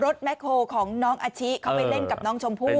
แคลของน้องอาชิเขาไปเล่นกับน้องชมพู่